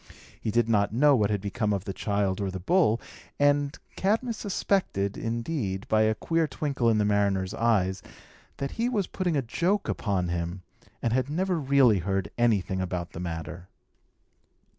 He did not know what had become of the child or the bull; and Cadmus suspected, indeed, by a queer twinkle in the mariner's eyes, that he was putting a joke upon him, and had never really heard anything about the matter.